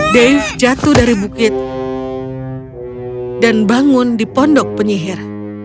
dave jatuh dari bukit dan bangun di pondok penyihir